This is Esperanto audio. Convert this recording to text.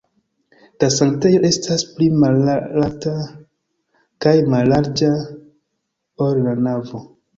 La sanktejo estas pli malalta kaj mallarĝa, ol la navo.